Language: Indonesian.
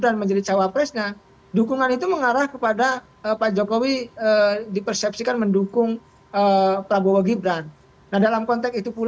terima kasih pak sby